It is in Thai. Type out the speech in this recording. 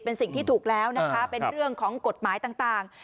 เป็นสิ่งที่ถูกแล้วนะคะเป็นเรื่องของกฎหมายต่าง